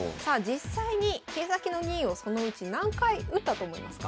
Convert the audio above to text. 実際に桂先の銀をそのうち何回打ったと思いますか？